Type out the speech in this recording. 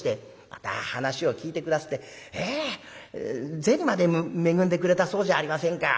また話を聞いて下すって銭まで恵んでくれたそうじゃありませんか。